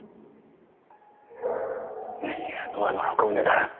何がノアの箱舟だ。